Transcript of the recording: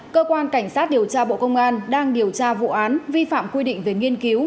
cơ quan cảnh sát điều tra bộ công an đang điều tra vụ án vi phạm quy định về nghiên cứu